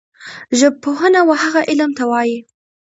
ژبپوهنه وهغه علم ته وايي